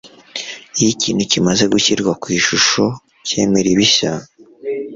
iyo ikintu kimaze gushyirwa ku ishusho cyemera ibishya